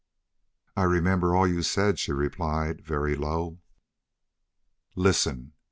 "I remember all you said," she replied, very low. "Listen."